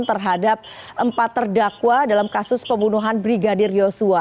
terhadap empat terdakwa dalam kasus pembunuhan brigadir yosua